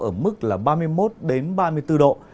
ở mức ba mươi một ba mươi bốn độ